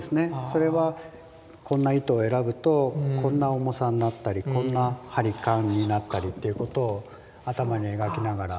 それはこんな糸を選ぶとこんな重さになったりこんなハリ感になったりっていうことを頭に描きながら。